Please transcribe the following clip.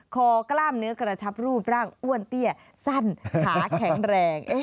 กล้ามเนื้อกระชับรูปร่างอ้วนเตี้ยสั้นขาแข็งแรง